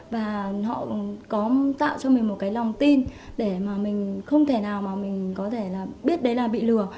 và họ có tạo cho mình một cái lòng tin để mà mình không thể nào mà mình có thể là biết đấy là bị lừa